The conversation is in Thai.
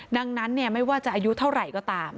ดังนั้นไม่ว่าจะอายุเท่าไหร่ก็ตาม